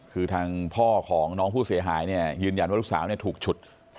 คือทางพ่อของน้องผู้เสียหายเนี่ยยืนยันว่าลูกสาวถูกฉุด